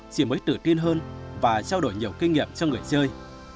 chỉ mới tự tin hơn và trao đổi nhiều kinh nghiệm cho người chơi